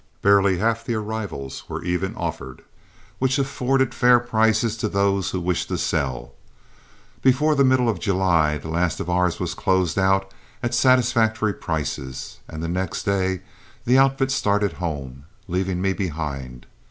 Barely half the arrivals were even offered, which afforded fair prices to those who wished to sell. Before the middle of July the last of ours was closed out at satisfactory prices, and the next day the outfit started home, leaving me behind.